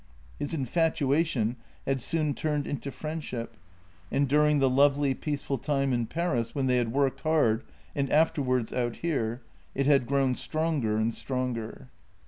His infatuation had soon turned into friendship, and during the lovely, peaceful time in Paris, when they had worked hard, and afterwards out here, it had grown stronger and stronger.